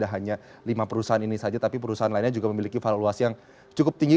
hanya lima perusahaan ini saja tapi perusahaan lainnya juga memiliki valuasi yang cukup tinggi